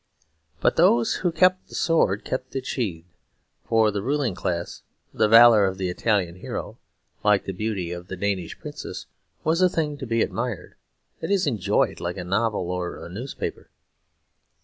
But those who kept the sword kept it sheathed. For the ruling class the valour of the Italian hero, like the beauty of the Danish Princess, was a thing to be admired, that is enjoyed, like a novel or a newspaper.